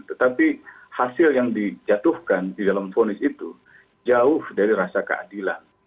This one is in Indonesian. tetapi hasil yang dijatuhkan di dalam vonis itu jauh dari rasa keadilan